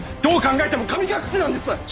どう考えても神隠しなんです！